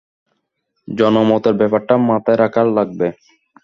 জনমতের ব্যাপারটা মাথায় রাখা লাগবে।